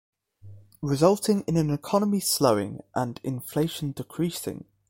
Resulting in an economy slowing and inflation decreasing.